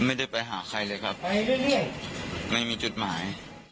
ไม่ได้ไปหาใครเลยครับไม่มีจุดหมาย